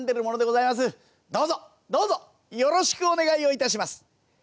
どうぞどうぞよろしくお願いをいたします」。